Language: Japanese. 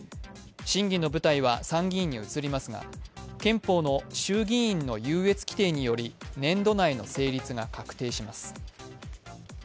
審議の舞台は参議院に移りますが、憲法の衆議院の優越規定により年度内の成立が確定します。